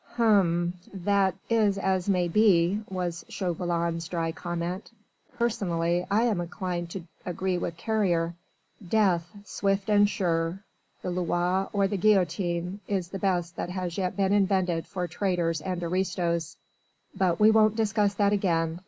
"H'm! That is as may be," was Chauvelin's dry comment. "Personally I am inclined to agree with Carrier. Death, swift and sure the Loire or the guillotine is the best that has yet been invented for traitors and aristos. But we won't discuss that again.